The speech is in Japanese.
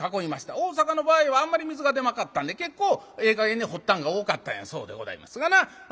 大坂の場合はあんまり水が出なかったんで結構ええ加減に掘ったんが多かったんやそうでございますがな。